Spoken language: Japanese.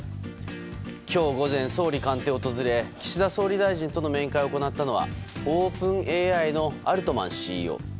今日午前、総理官邸を訪れ岸田総理大臣との面会を行ったのはオープンＡＩのアルトマンＣＥＯ。